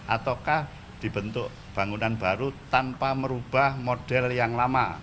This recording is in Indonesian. ataukah dibentuk bangunan baru tanpa merubah model yang lama